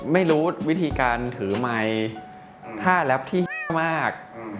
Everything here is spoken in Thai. ไม่รู้วิธีการถือไมค์ท่าแรปที่มาก